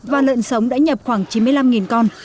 và lợn sống đã nhập khoảng chín mươi năm con